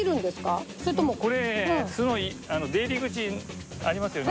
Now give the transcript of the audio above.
これ巣の出入り口ありますよね？